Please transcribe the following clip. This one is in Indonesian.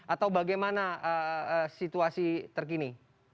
atau bagaimana situasi terkini